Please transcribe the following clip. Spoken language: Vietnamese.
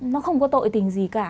nó không có tội tình gì cả